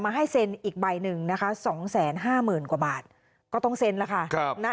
ให้เซ็นอีกใบหนึ่งนะคะ๒๕๐๐๐กว่าบาทก็ต้องเซ็นแล้วค่ะ